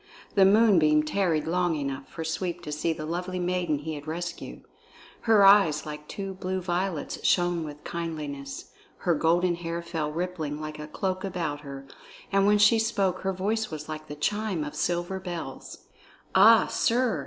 The moonbeam tarried long enough for Sweep to see the lovely maiden he had rescued. Her eyes like two blue violets shone with kindliness, her golden hair fell rippling like a cloak about her, and when she spoke her voice was like the chime of silver bells. "Ah, sir!"